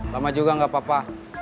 lama juga nggak apa apa